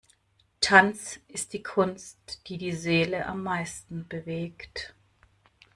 Tanz ist die Kunst, die die Seele am meisten bewegt.